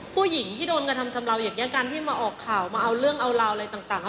ผู้หญิงที่โดนกระทำชำเลาอย่างนี้การที่มาออกข่าวมาเอาเรื่องเอาราวอะไรต่าง